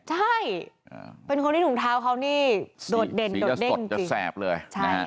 ใช่เป็นคนที่ถุงเท้าเขานี่โดดเด่นโดดเด่นจะแสบเลย